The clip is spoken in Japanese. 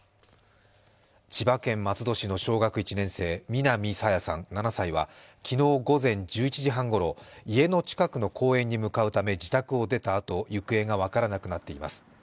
千葉県松戸市の小学１年生南朝芽さん７歳は昨日午前１１時半ごろ、家の近くの公園に向かうため自宅を出たあと、行方が分からなくなっています。